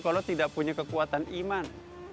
kalau tidak punya kekuatan iman